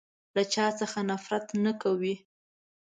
له چا څخه نفرت نه کوی.